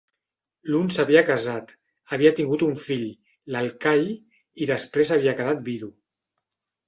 L'un s'havia casat, havia tingut un fill, l'Ekahi, i després havia quedat vidu.